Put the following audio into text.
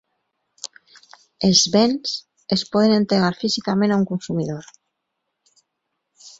Els béns es poden entregar físicament a un consumidor.